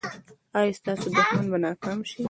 ایا ستاسو دښمن به ناکام شي؟